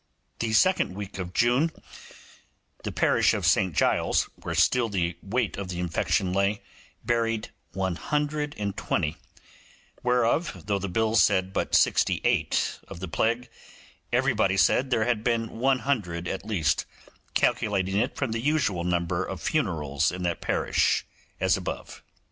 The second week in June, the parish of St Giles, where still the weight of the infection lay, buried 120, whereof though the bills said but sixty eight of the plague, everybody said there had been 100 at least, calculating it from the usual number of funerals in that parish, as above.